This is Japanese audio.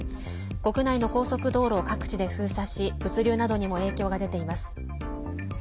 国内の高速道路を各地で封鎖し物流などにも影響が出ています。